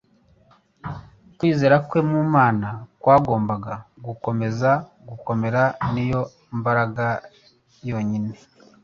Kwizera kwe mu Mana kwagombaga gukomeza gukomera; ni yo mbaraga yonyine.